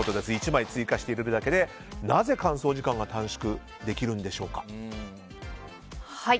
１枚追加して入れるだけでなぜ乾燥時間が短縮できるのでしょうか。